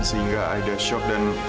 sehingga aida shock dan